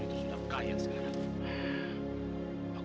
itu sudah kaya sekarang